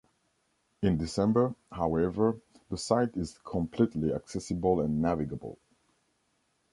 In December, however, the site is completely accessible and navigable.